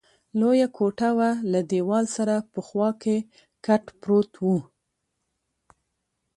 لویه کوټه وه، له دېوال سره په خوا کې کټ پروت وو.